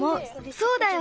そうだよ。